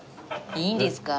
いいんですか？